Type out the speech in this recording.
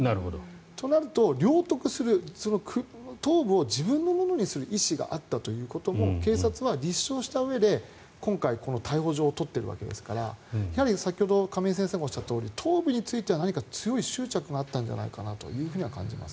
となると領得する頭部を自分のものにする意思があったということも警察は立証したうえで今回、逮捕状を取っているわけですから先ほど亀井先生がおっしゃったとおり頭部については何か強い執着があったんじゃないかと感じます。